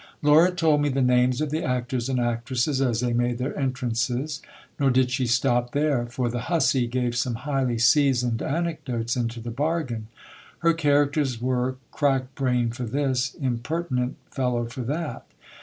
Laura told me the names of the actors and actresses as they made their en trances. Nor did she stop there, for the hussey gave some highly seasoned anecdotes into the bargain. Her characters were, crack brain for this, imperti nent fellow for that.